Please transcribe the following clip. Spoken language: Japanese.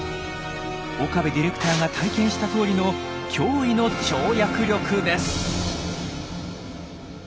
岡部ディレクターが体験したとおりの驚異の跳躍力です。